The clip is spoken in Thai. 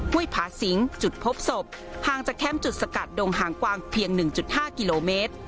ผาสิงจุดพบศพห่างจากแคมป์จุดสกัดดงหางกวางเพียง๑๕กิโลเมตร